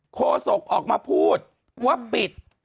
โฆษกรัฐบาลออกมาพูดว่าปิด